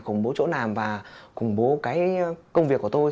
khủng bố chỗ nàm và khủng bố cái công việc của tôi